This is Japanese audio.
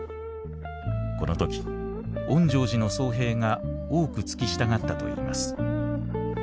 この時園城寺の僧兵が多く付き従ったといいます。